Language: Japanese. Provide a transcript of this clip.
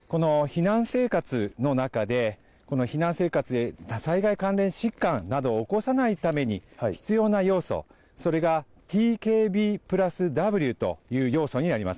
この避難生活の中で、この避難生活で災害関連疾患などを起こさないために必要な要素、それがＴＫＢ＋Ｗという要素になります。